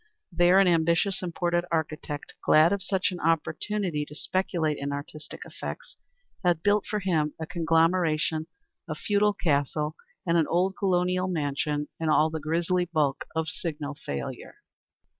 There an ambitious imported architect, glad of such an opportunity to speculate in artistic effects, had built for him a conglomeration of a feudal castle and an old colonial mansion in all the grisly bulk of signal failure.